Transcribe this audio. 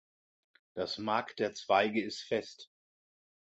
Das Mark der Zweige ist fest.